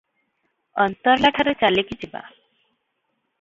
ଅନ୍ତର୍ଲାଠାରୁ ଚାଲିକି ଯିବା ।